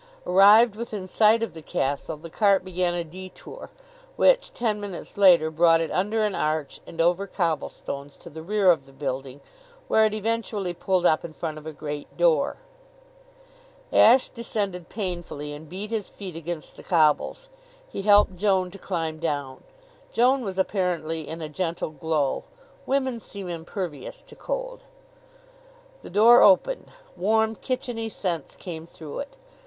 Arrived within sight of the castle, the cart began a detour, which, ten minutes later, brought it under an arch and over cobblestones to the rear of the building, where it eventually pulled up in front of a great door. Ashe descended painfully and beat his feet against the cobbles. He helped Joan to climb down. Joan was apparently in a gentle glow. Women seem impervious to cold. The door opened. Warm, kitcheny scents came through it.